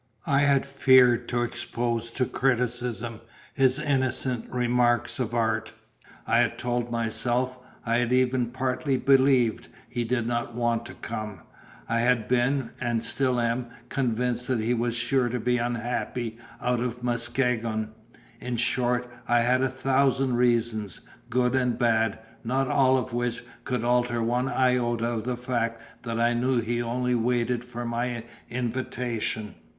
I had feared to expose to criticism his innocent remarks on art; I had told myself, I had even partly believed, he did not want to come; I had been (and still am) convinced that he was sure to be unhappy out of Muskegon; in short, I had a thousand reasons, good and bad, not all of which could alter one iota of the fact that I knew he only waited for my invitation.